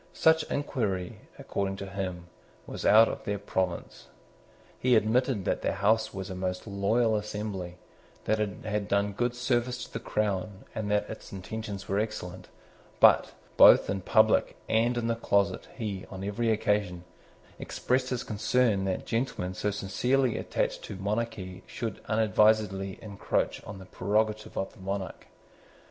Such inquiry, according to him, was out of their province. He admitted that the House was a most loyal assembly, that it had done good service to the crown, and that its intentions were excellent. But, both in public and in the closet, he, on every occasion, expressed his concern that gentlemen so sincerely attached to monarchy should unadvisedly encroach on the prerogative of the monarch.